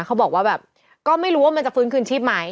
เขาบอกว่าแบบก็ไม่รู้ว่ามันจะฟื้นคืนชีพไหม